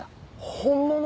本物！？